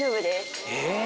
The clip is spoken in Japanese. え？